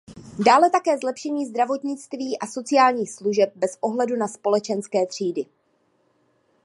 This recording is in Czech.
Dále také zlepšení zdravotnictví a sociálních služeb bez ohledu na společenské třídy.